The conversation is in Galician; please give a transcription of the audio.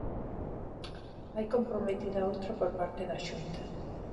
Hai comprometida outra por parte da Xunta.